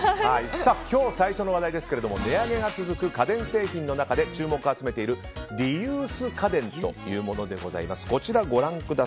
今日最初の話題ですが値上げが続く家電製品の中で注目を集めているリユース家電というものでございます。